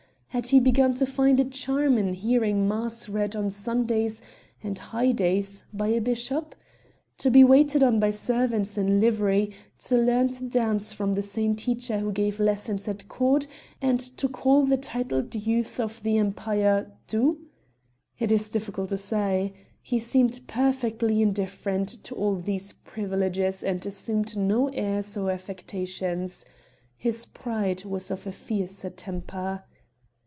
Had he begun to find a charm in hearing Mass read on Sundays and Highdays by a Bishop? To be waited on by servants in livery, to learn to dance from the same teacher who gave lessons at court, and to call the titled youth of the empire 'du'? It is difficult to say. He seemed perfectly indifferent to all these privileges and assumed no airs or affectations. His pride was of a fiercer temper.